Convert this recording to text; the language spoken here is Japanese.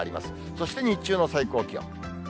そして日中の最高気温。